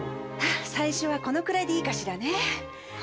あ最初はこのくらいでいいかしらね。